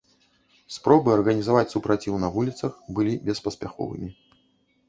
Спробы арганізаваць супраціў на вуліцах былі беспаспяховымі.